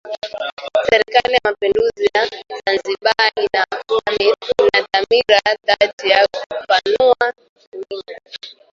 Serikali ya Mapinduzi ya Zanzibar ina dhamira ya dhati ya kupanua wigo